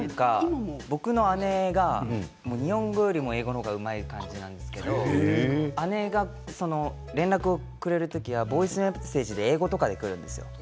僕の姉が、日本語よりも英語の方がうまい感じなんですけど姉が連絡が取れる時はボイスメッセージ英語とかでくるんですよ